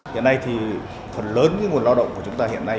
hiện nay thì phần lớn cái nguồn lao động của chúng ta hiện nay